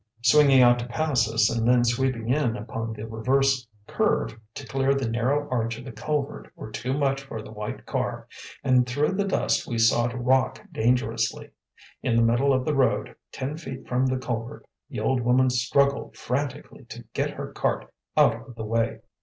Swinging out to pass us and then sweeping in upon the reverse curve to clear the narrow arch of the culvert were too much for the white car; and through the dust we saw it rock dangerously. In the middle of the road, ten feet from the culvert, the old woman struggled frantically to get her cart out of the way.